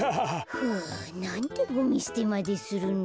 ふうなんでゴミすてまでするの。